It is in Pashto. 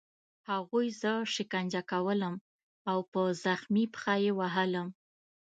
هغوی زه شکنجه کولم او په زخمي پښه یې وهلم